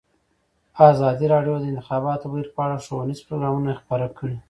ازادي راډیو د د انتخاباتو بهیر په اړه ښوونیز پروګرامونه خپاره کړي.